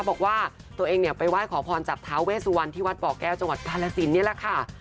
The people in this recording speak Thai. บอกว่าตัวเองเนี่ยไปไหว้ขอพรจากท้าเวสวันที่วัดบ่อแก้วจังหวัดกาลสินนี่แหละค่ะ